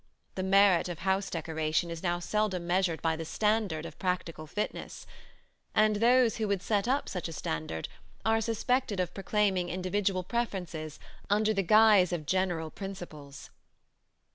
The merit of house decoration is now seldom measured by the standard of practical fitness; and those who would set up such a standard are suspected of proclaiming individual preferences under the guise of general principles.